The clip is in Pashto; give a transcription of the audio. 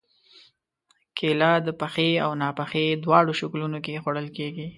کېله د پخې او ناپخې دواړو شکلونو کې خوړل کېږي.